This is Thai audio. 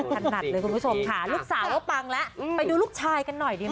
ถนัดเลยคุณผู้ชมค่ะลูกสาวก็ปังแล้วไปดูลูกชายกันหน่อยดีไหม